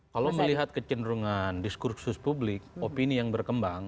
kalau melihat kecenderungan diskursus publik opini yang berkembang